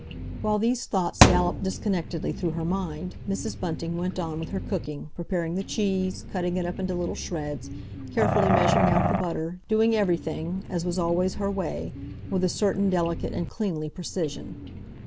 While these thoughts galloped disconnectedly through her mind, Mrs. Bunting went on with her cooking, preparing the cheese, cutting it up into little shreds, carefully measuring out the butter, doing everything, as was always her way, with a certain delicate and cleanly precision.